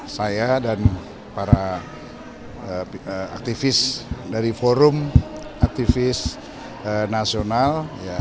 saya dan para aktivis dari forum aktivis nasional